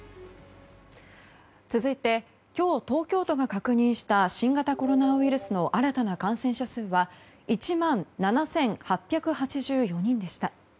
続いて今日、東京都が確認した新型コロナウイルスの新たな感染者数は１万７８８４人でした。